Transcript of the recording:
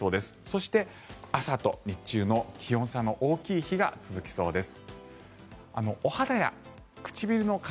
そして、朝と日中の気温差の大きい日が続きそうです。